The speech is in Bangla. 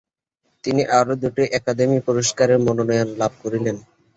তিনি আরও দুটি একাডেমি পুরস্কারের মনোনয়ন লাভ করেছিলেন।